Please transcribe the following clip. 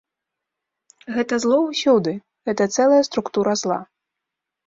Гэта зло ўсюды, гэта цэлая структура зла.